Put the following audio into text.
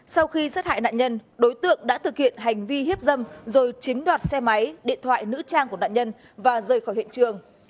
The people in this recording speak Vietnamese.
sau khi sát hại nạn nhân đối tượng đã thực hiện hành vi hiếp dâm rồi chiếm đoạt xe máy điện thoại nữ trang của nạn nhân và rời khỏi hiện trường